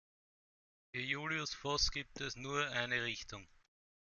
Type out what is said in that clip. Für Julius Voß gibt es nur eine Richtung.